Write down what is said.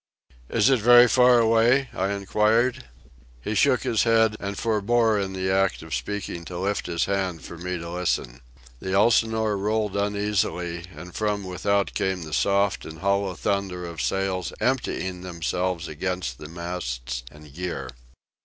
"Is it very far away?" I inquired. He shook his head, and forebore in the act of speaking to lift his hand for me to listen. The Elsinore rolled uneasily, and from without came the soft and hollow thunder of sails emptying themselves against the masts and gear.